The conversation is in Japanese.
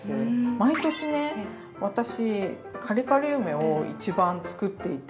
毎年ね私カリカリ梅を一番作っていて。